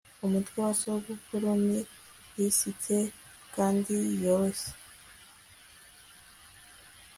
umutwe wa sogokuru ni silike kandi yoroshye